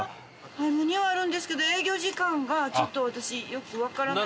あるにはあるんですけど営業時間がちょっと私よくわからない。